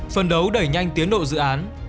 phân đấu đẩy nhanh tiến độ dự án